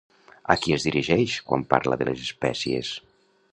A qui es dirigeix quan parla de les espècies?